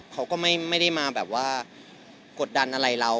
เค้าก็ไม่มากดดันเรา